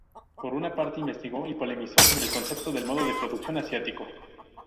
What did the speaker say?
Por una parte investigó y polemizó sobre el concepto de modo de producción asiático.